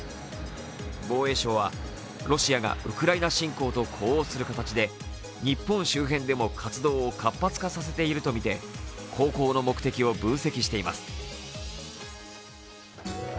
防衛省はロシアがウクライナ侵攻と呼応する形で日本周辺でも活動を活発化させているとみて航行の目的を分析しています。